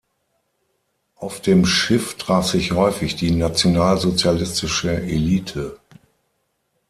Auf dem Schiff traf sich häufig die nationalsozialistische Elite.